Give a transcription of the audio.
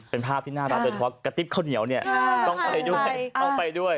เป็นภาพที่น่ารักโดยเฉพาะกระติ๊บข้าวเหนียวเนี่ยต้องไปด้วยต้องไปด้วย